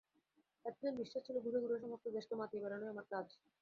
এতদিন বিশ্বাস ছিল ঘুরে ঘুরে সমস্ত দেশকে মাতিয়ে বেড়ানোই আমার কাজ।